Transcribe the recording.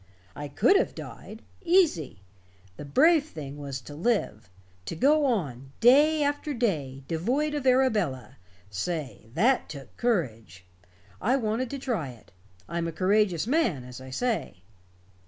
I could have died easy. The brave thing was to live. To go on, day after day, devoid of Arabella say, that took courage. I wanted to try it. I'm a courageous man, as I say."